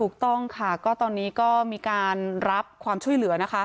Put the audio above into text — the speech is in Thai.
ถูกต้องค่ะก็ตอนนี้ก็มีการรับความช่วยเหลือนะคะ